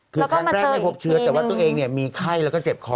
คือครั้งแรกไม่พบเชื้อแต่ว่าตัวเองมีไข้แล้วก็เจ็บคอ